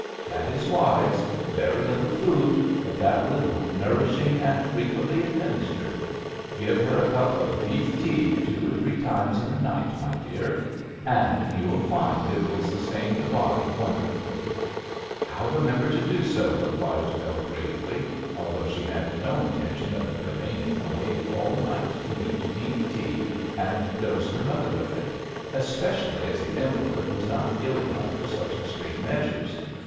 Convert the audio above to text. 'That is wise; very little food, but that little nourishing and frequently administered. Give her a cup of beef tea two or three times in the night, my dear, and you'll find it will sustain the body wonderfully.' 'I'll remember to do so,' replied Bell, gravely, although she had no intention of remaining awake all night to heat beef tea and dose her mother with it, especially as the invalid was not ill enough for such extreme measures.